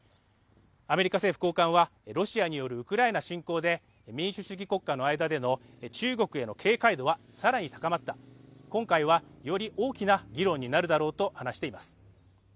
アメリカ政府高官は、ロシアによるウクライナ侵攻で、民主主義国家の間での中国への警戒度は更に高まった、今回は、より大きな議論になるだろうと話しています。